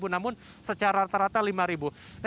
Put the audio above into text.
namun secara rata rata lima ribu